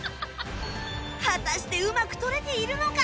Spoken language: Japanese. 果たしてうまく撮れているのか？